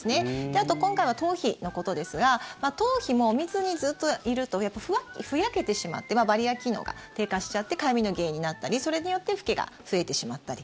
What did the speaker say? あと今回は頭皮のことですが頭皮もお水にずっといるとふやけてしまってバリアー機能が低下しちゃってかゆみの原因になったりそれによってふけが増えてしまったり。